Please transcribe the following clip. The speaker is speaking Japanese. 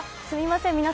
すみません。